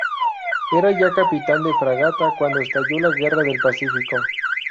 Era ya capitán de fragata cuando estalló la Guerra del Pacífico.